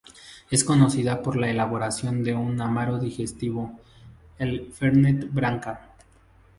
Es conocida por la elaboración de un amaro digestivo, el Fernet Branca.